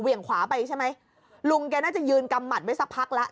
ขวาไปใช่ไหมลุงแกน่าจะยืนกำหมัดไว้สักพักแล้ว